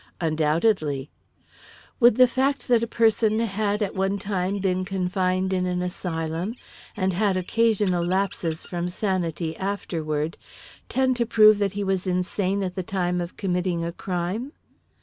"Undoubtedly." "Would the fact that a person had at one time been confined in an asylum, and had occasional lapses from sanity afterward, tend to prove that he was insane at the time of committing a crime?"